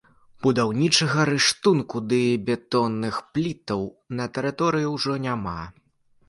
Будаўнічага рыштунку ды бетонных плітаў на тэрыторыі ўжо няма.